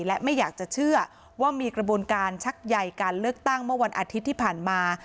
และไม่อยากจะเชื่อว่ามีกระบวนการชักใยการเลือกตั้งเมื่อวันอาทิตย์ที่ผ่านมา